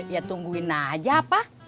ya tungguin aja apa